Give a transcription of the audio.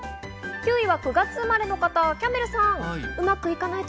９位は９月生まれの方、キャンベルさん。